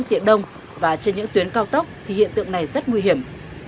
trên những tuyến cao tốc thì hiện tượng này rất nguy hiểm